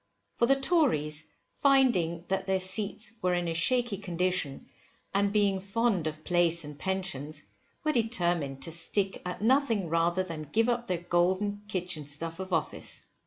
For the Tories, finding that their seats were in a shaky condition, and being fond of place and pensions, were determined to stick at nothing rather than give up their golden kitchen stuff of office.